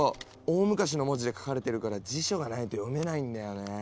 大昔の文字で書かれてるから辞書がないと読めないんだよね。